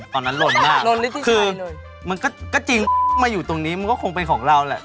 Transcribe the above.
ตอนนั้นลนมากลนคือมันก็จริงมาอยู่ตรงนี้มันก็คงเป็นของเราแหละ